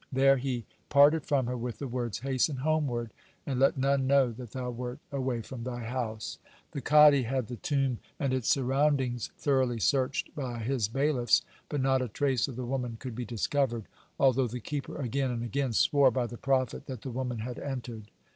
There he parted from her with the words: "Hasten homeward, and let none know that thou wert away from thy house." The kadi had the tomb and its surroundings thoroughly searched by his bailiffs, but not a trace of the woman could be discovered, although the keeper again and again swore by the Prophet that the woman had entered.